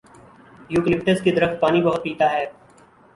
Eucalyptus کا درخت پانی بہت پیتا ہے۔